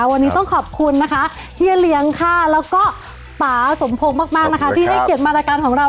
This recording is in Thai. วันนี้ต้องขอบคุณนะคะเฮียเลี้ยงค่ะแล้วก็ป่าสมพงษ์มากนะคะที่ให้เกียรติมารายการของเรา